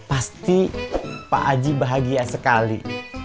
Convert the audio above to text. pasti pak aji bahagia sekali